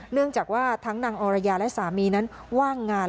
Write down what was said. เนื่องจากว่าทั้งนางอรยาและสามีนั้นว่างงาน